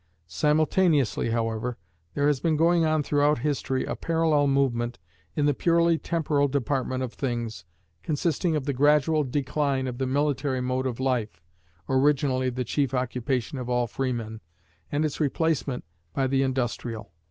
Simultaneously, however, there has been going on throughout history a parallel movement in the purely temporal department of things, consisting of the gradual decline of the military mode of life (originally the chief occupation of all freemen) and its replacement by the industrial.